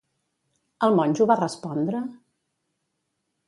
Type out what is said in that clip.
El monjo va respondre?